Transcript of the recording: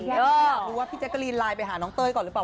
อยากรู้ว่าพี่แจ๊กกะรีนไลน์ไปหาน้องเต้ยก่อนหรือเปล่า